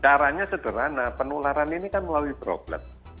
caranya sederhana penularan ini kan melalui droplet